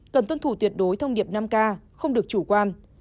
cần tuân thủ tuyệt đối thông điệp năm k không được chủ quan